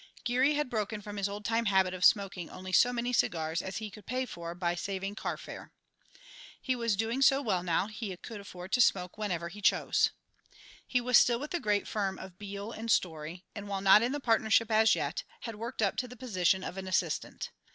Geary had broken from his old time habit of smoking only so many cigars as he could pay for by saving carfare. He was doing so well now that he could afford to smoke whenever he chose. He was still with the great firm of Beale & Storey, and while not in the partnership as yet, had worked up to the position of an assistant.